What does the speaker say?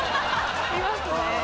いますね。